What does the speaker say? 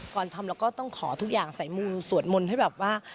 ก่อนทำเราก็ต้องขอทุกอย่างใส่มุมสวดมนต์ให้แบบว่า